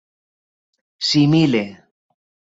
simile